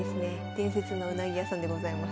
伝説のうなぎ屋さんでございます。